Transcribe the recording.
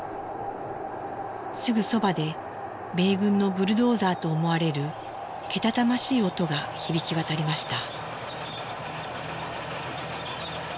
すぐそばで米軍のブルドーザーと思われるけたたましい音が響き渡りました。